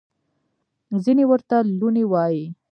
ځینې ورته لوني وايي.